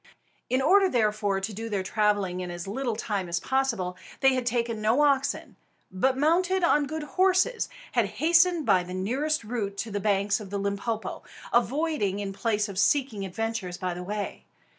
In order, therefore, to do their travelling in as little time as possible, they had taken no oxen; but, mounted on good horses, had hastened by the nearest route to the banks of the Limpopo, avoiding in place of seeking adventures by the way.